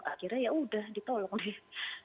akhirnya yaudah ditolong deh